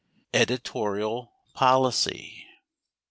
EDITORIAL POLICY.